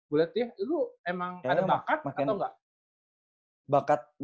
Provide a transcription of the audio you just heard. gua liat ya lu emang ada bakat atau enggak